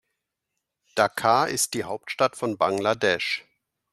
Dhaka ist die Hauptstadt von Bangladesch.